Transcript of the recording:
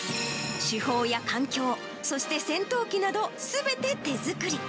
主砲や艦橋、そして戦闘機などすべて手作り。